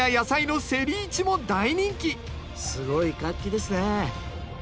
すごい活気ですね！